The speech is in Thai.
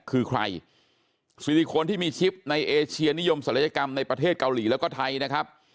คือใครซิลิโคนที่มีชิปในเอเชียนิยมศัลยกรรมในประเทศเกาหลีแล้วก็ไทยนะครับ